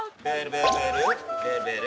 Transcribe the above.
ベルベール。